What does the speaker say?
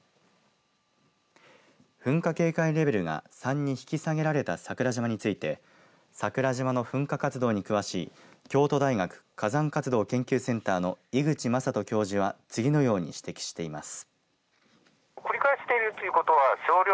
噴火警戒レベルが３に引き下げられた桜島について桜島の噴火活動に詳しい京都大学火山活動研究センターの井口正人教授は次のように指摘しています。